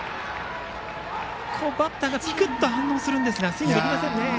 バッターがぴくっと反応しますがスイングできませんね。